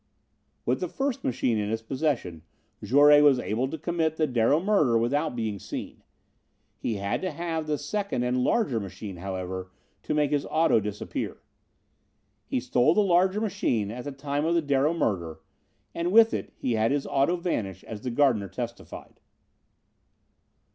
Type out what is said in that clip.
"With the first machine in his possession, Jouret was able to commit the Darrow murder without being seen. He had to have the second and larger machine, however, to make his auto disappear. He stole the larger machine at the time of the Darrow murder, and with it he had his auto vanish, as the gardener testified.